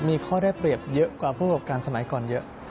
มีข้อได้เปรียบเยอะกว่าผู้ประกอบการสมัยก่อนเยอะ